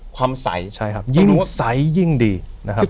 ความใสใช่ครับยิ่งใสยิ่งดีนะครับ